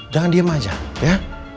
jangan diem aja ya